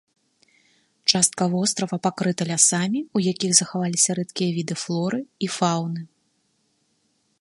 Частка вострава пакрыта лясамі, у якіх захаваліся рэдкія віды флоры і фаўны.